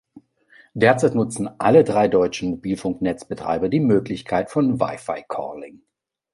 Derzeit nutzen alle drei deutschen Mobilfunknetzbetreiber die Möglichkeit von Wi-Fi Calling.